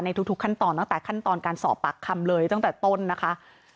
ทุกขั้นตอนตั้งแต่ขั้นตอนการสอบปากคำเลยตั้งแต่ต้นนะคะ